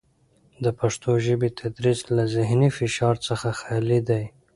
د پښتو ژبې تدریس له زهني فشار څخه خالي دی.